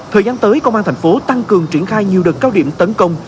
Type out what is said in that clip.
thời gian tới công an thành phố tăng cường triển khai nhiều đợt cao điểm tấn công